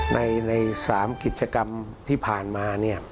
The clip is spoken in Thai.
ใน๓กิจกรรมที่ผ่านมา